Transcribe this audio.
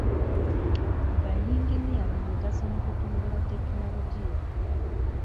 Bayinginiya ba mugaso mu kutumbula tekinologiya